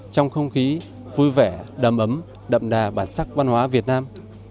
trong không khí vui vẻ đầm ấm đậm đà bản sắc văn hóa việt nam